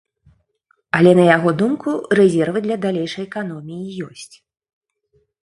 Але, на яго думку рэзервы для далейшай эканоміі ёсць.